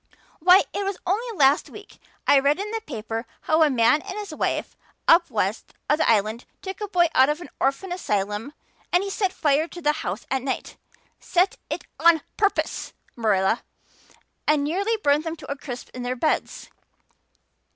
Why, it was only last week I read in the paper how a man and his wife up west of the Island took a boy out of an orphan asylum and he set fire to the house at night set it on purpose, Marilla and nearly burnt them to a crisp in their beds.